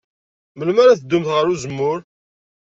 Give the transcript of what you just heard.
Melmi ara teddumt ɣer uzemmur?